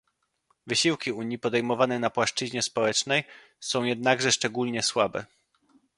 Wysiłki Unii podejmowane na płaszczyźnie społecznej są jednakże szczególnie słabe